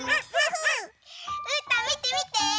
うーたんみてみて！